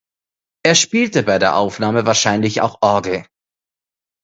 Er spielte bei der Aufnahme wahrscheinlich auch Orgel.